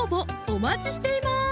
お待ちしています